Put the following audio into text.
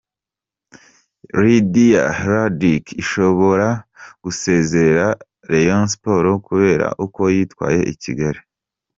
Lydia Ludic ishobora gusezerera Rayon Sports kubera uko yitwaye i Kigali.